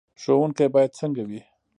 ښوونکی باید څنګه وي؟